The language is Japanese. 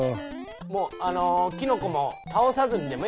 もうキノコも倒さずにでもええかもな。